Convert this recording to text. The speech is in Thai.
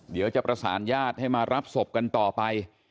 เดี๋ยวจะประสานญาติให้มารับศพกันต่อไป